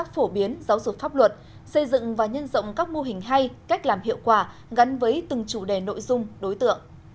pháp luật xây dựng và nhân rộng các mô hình hay cách làm hiệu quả gắn với từng chủ đề nội dung đối tượng